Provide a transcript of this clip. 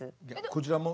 こちらも。